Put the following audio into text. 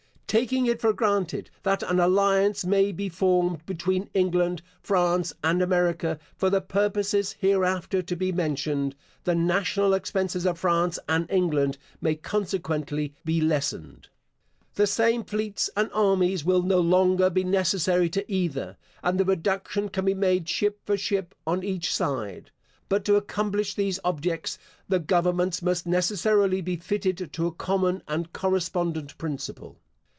Taking it for granted that an alliance may be formed between England, France, and America for the purposes hereafter to be mentioned, the national expenses of France and England may consequently be lessened. The same fleets and armies will no longer be necessary to either, and the reduction can be made ship for ship on each side. But to accomplish these objects the governments must necessarily be fitted to a common and correspondent principle.